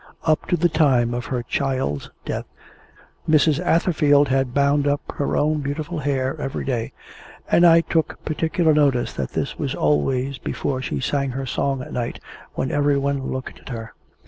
Up to the time of her child's death, Mrs. Atherfield had bound up her own beautiful hair every day; and I took particular notice that this was always before she sang her song at night, when everyone looked at her.